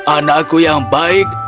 anakku yang baik